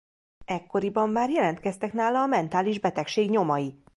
Ekkoriban már jelentkeztek nála a mentális betegség nyomai.